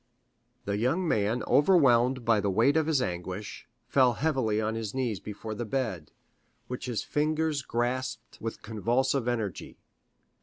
The young man overwhelmed by the weight of his anguish, fell heavily on his knees before the bed, which his fingers grasped with convulsive energy.